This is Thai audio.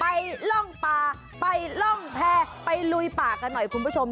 ร่องป่าไปร่องแพร่ไปลุยป่ากันหน่อยคุณผู้ชม